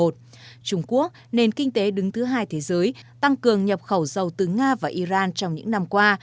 trung quốc nền kinh tế đứng thứ hai thế giới tăng cường nhập khẩu dầu từ nga và iran trong những năm qua